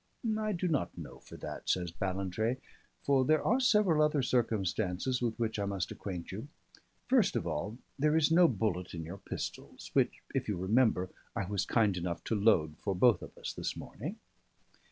"I do not know for that," says Ballantrae. "For there are several other circumstances with which I must acquaint you. First of all, there is no bullet in your pistols, which (if you remember) I was kind enough to load for both of us this morning.